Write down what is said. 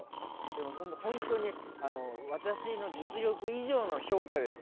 でも、本当に私の実力以上の評価です。